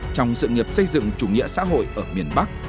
trong sự nghiệp xây dựng chủ nghĩa xã hội ở miền bắc